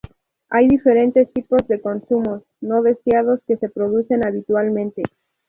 Hay diferentes tipos de consumos no deseados que se producen habitualmente.